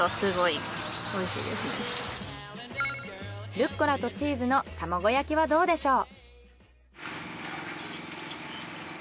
ルッコラとチーズの玉子焼きはどうでしょう？